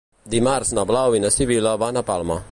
Dimarts na Blau i na Sibil·la van a Palma.